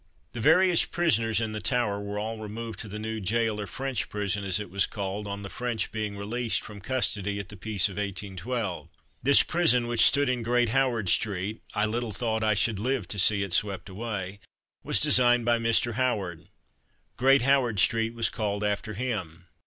The various prisoners in the Tower were all removed to the new gaol, or French prison, as it was called, on the French being released from custody, at the peace of 1812. This prison, which stood in Great Howard street I little thought I should live to see it swept away was designed by Mr. Howard. Great Howard street was called after him.